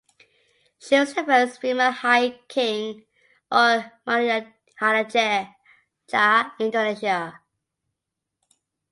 She was the first female high king or Maharajah in Indonesia.